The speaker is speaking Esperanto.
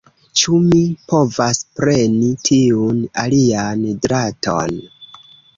Ĉu mi povas preni tiun alian draton?